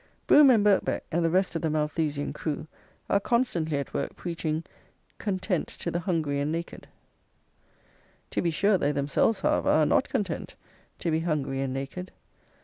Brougham and Birkbeck, and the rest of the Malthusian crew, are constantly at work preaching content to the hungry and naked. To be sure, they themselves, however, are not content to be hungry and naked.